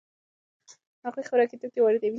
هغوی خوراکي توکي واردوي.